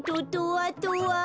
あとは。